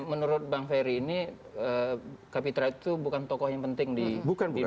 menurut bang ferry ini kapitra itu bukan tokoh yang penting di dua ratus dua belas kan gitu